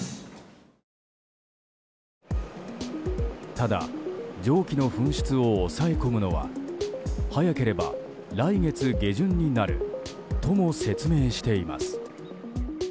ただ、蒸気の噴出を抑え込むのは早ければ来月下旬になるとも説明しています。